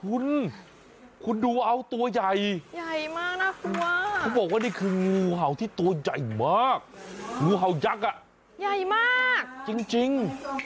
คุณคุณดูเอาตัวใหญ่คุณบอกว่านี่คืองูเห่าที่ตัวใหญ่มากงูเห่ายักษ์อ่ะจริง